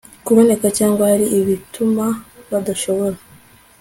kuboneka cyangwa hari ibituma badashobora